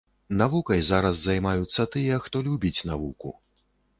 Навукай зараз займаюцца тыя, хто любіць навуку.